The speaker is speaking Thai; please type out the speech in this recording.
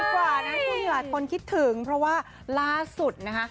กันหน่อยดีกว่านะคุณหลายคนคิดถึงเพราะว่าล่าสุดนะฮะ